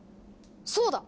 そうだ！